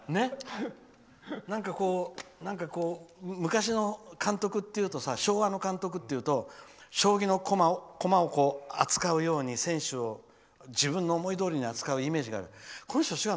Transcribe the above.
なんかこう、昔の監督っていうと昭和の監督っていうと将棋の駒を扱うように選手を自分の思いどおりに扱うイメージがあるけどこの人は違う。